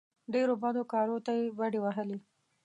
ډېرو بدو کارو ته یې بډې وهلې.